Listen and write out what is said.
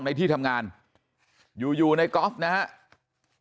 ในที่ทำงานอยู่ในก๊อฟเนี่ยฮะ